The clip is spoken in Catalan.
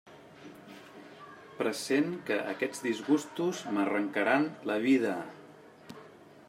Pressent que aquests disgustos m'arrancaran la vida.